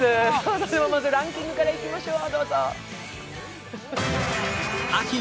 まずはランキングからいきましょう。